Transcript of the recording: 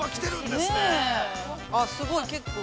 ◆すごい、結構。